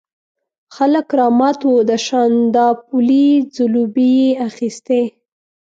خلک رامات وو، د شانداپولي ځلوبۍ یې اخيستې.